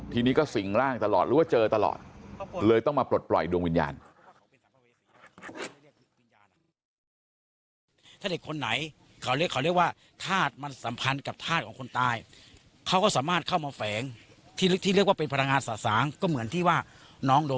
ทีนี้ก็สิงหล่างตลอดหรือว่าเจอตลอด